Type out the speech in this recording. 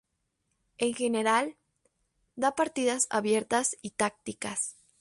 En general, da partidas abiertas y tácticas.